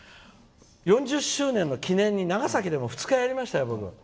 ４０周年の記念に長崎でも２日やりましたよ、僕。